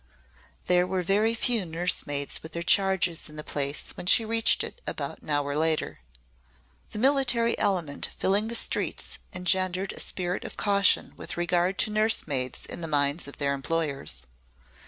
There were very few nursemaids with their charges in the place when she reached it about an hour later. The military element filling the streets engendered a spirit of caution with regard to nursemaids in the minds of their employers.